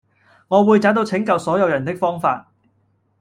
我會找到拯救所有人的方法